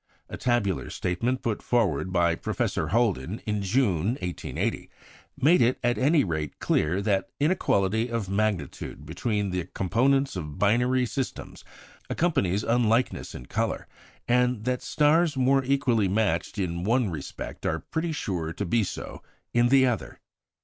A tabular statement put forward by Professor Holden in June, 1880, made it, at any rate, clear that inequality of magnitude between the components of binary systems accompanies unlikeness in colour, and that stars more equally matched in one respect are pretty sure to be so in the other.